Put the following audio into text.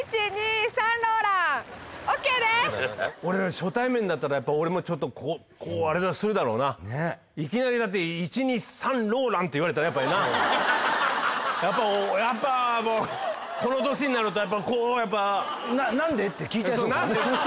俺が初対面だったらやっぱ俺もちょっとこうこうあれするだろうなねっいきなりだってって言われたらやっぱりなやっぱもうこの年になるとやっぱりこうやっぱって聞いちゃいそうですもんね